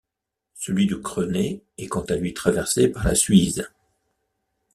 Celui de Crenay est quant à lui traversé par la Suize.